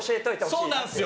そうなんですよ。